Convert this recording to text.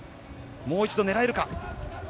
もう一度狙えるか。